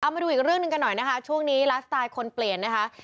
มาดูอีกเรื่องหนึ่งกันหน่อยนะคะช่วงนี้ไลฟ์สไตล์คนเปลี่ยนนะคะ